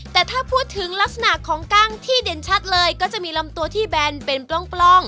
แต่ถ้าพูดถึงลักษณะของกล้างที่เด่นชัดเลยก็จะมีลำตัวที่แบนเป็นปล้อง